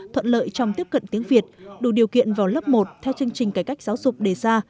thuận lợi trong tiếp cận tiếng việt đủ điều kiện vào lớp một theo chương trình cải cách giáo dục đề ra